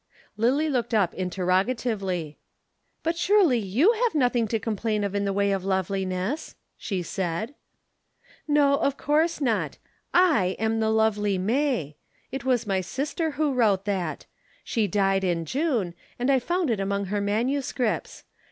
Lillie looked up interrogatively. "But surely you have nothing to complain of in the way of loveliness?" she said. "No, of course not. I am the lovely May. It was my sister who wrote that. She died in June and I found it among her manuscripts.